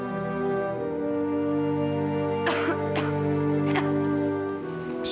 seandainya saja pernikahan itu berjalan dengan lancar pasti tidak begini kejadiannya